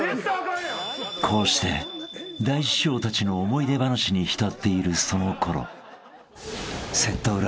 ［こうして大師匠たちの思い出話に浸っているそのころ］